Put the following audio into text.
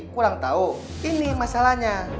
kalau ini masalahnya